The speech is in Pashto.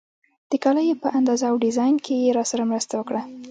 د کالیو په اندازه او ډیزاین کې یې راسره مرسته وکړه.